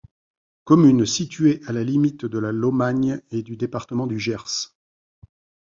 Commune située à la limite de la Lomagne et du département du Gers.